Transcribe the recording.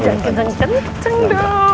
jangan kenceng kenceng dong